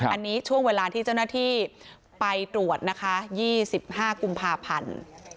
อันนี้ช่วงเวลาที่เจ้าหน้าที่ไปตรวจนะคะ๒๕กุมภาพันธ์